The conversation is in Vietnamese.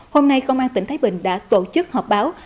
hôm nay công an tỉnh thái bình đã tổ chức họp báo